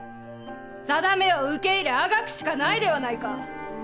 さだめを受け入れあがくしかないではないか。